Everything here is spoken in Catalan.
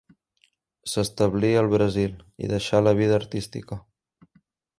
S'establí al Brasil i deixà la vida artística.